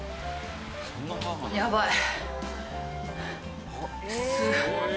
やばい。